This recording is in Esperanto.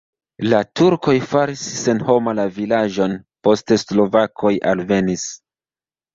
La turkoj faris senhoma la vilaĝon, poste slovakoj alvenis.